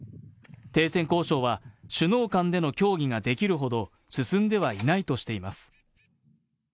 停戦交渉は首脳間での協議ができるほど進んではいないとしています。